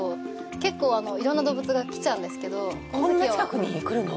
結構色んな動物が来ちゃうんですけどこの時はこんな近くに来るの！？